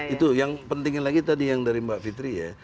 itu yang penting lagi tadi yang dari mbak fitri ya